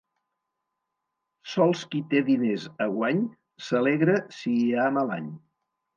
Sols qui té diners a guany s'alegra si hi ha mal any.